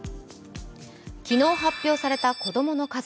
昨日発表された子供の数。